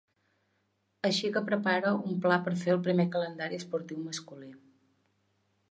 Així que prepara un pla per fer el primer calendari esportiu masculí.